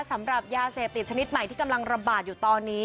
สำหรับยาเสพติดชนิดใหม่ที่กำลังระบาดอยู่ตอนนี้